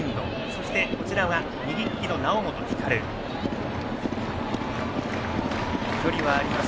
そして、右利きの猶本光もいます。